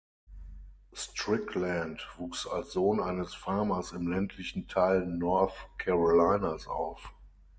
Strickland wuchs als Sohn eines Farmers im ländlichen Teil North Carolinas auf.